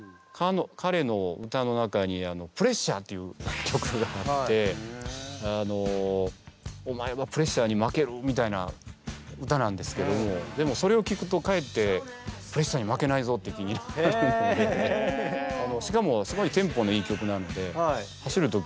かれの歌の中に「Ｐｒｅｓｓｕｒｅ」っていう曲があって「お前はプレッシャーに負ける」みたいな歌なんですけどもでもそれをきくとかえって「プレッシャーに負けないぞ」って気になるのでしかもすごいテンポのいい曲なので走る時にぴったりの。